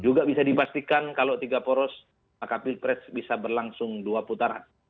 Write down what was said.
juga bisa dipastikan kalau tiga poros maka pilpres bisa berlangsung dua putaran